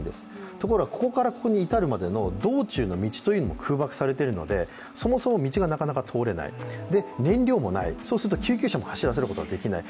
ところがここからここに至るまでの道中の道というのも空爆されているので、そもそも道がなかなか通れない、燃料もない、そうすると救急車も走らせることができない。